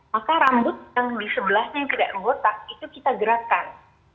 maka rambut yang di sebelahnya yang tidak gotak itu kita gerakan